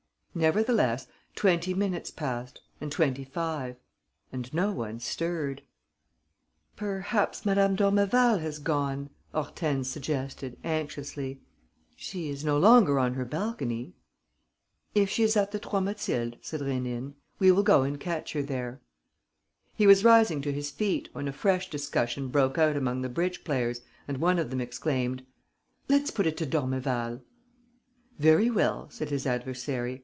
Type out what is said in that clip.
Nevertheless, twenty minutes passed and twenty five; and no one stirred. "Perhaps Madame d'Ormeval has gone." Hortense suggested, anxiously. "She is no longer on her balcony." "If she is at the Trois Mathildes," said Rénine, "we will go and catch her there." He was rising to his feet, when a fresh discussion broke out among the bridge players and one of them exclaimed: "Let's put it to d'Ormeval." "Very well," said his adversary.